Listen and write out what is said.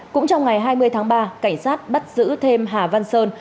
cũng trong ngày hai mươi tháng ba cảnh sát bắt giữ thêm hà văn sơn